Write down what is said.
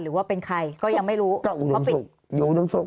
หรือว่าเป็นใครก็ยังไม่รู้ก็อุดมสุขอุดมสุขอุดมสุข